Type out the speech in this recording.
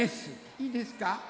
いいですか？